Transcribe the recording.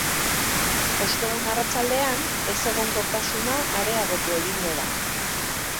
Ostegun arratsaldean ezegonkortasuna areagotu egingo da.